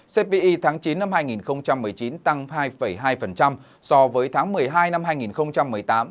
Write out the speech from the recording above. cpi tháng chín năm hai nghìn một mươi chín tăng hai hai so với tháng một mươi hai năm hai nghìn một mươi tám